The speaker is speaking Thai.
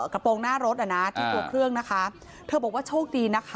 กระโปรงหน้ารถเธอก็บอกว่าโชคดีนะคะ